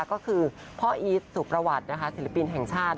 ก็คือพ่ออีทสุประวัติศิลปินแห่งชาติ